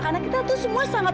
karena kita tuh semua sangat